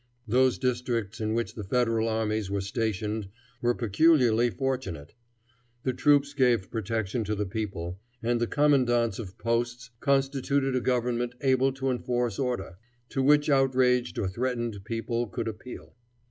Those districts in which the Federal armies were stationed were peculiarly fortunate. The troops gave protection to the people, and the commandants of posts constituted a government able to enforce order, to which outraged or threatened people could appeal.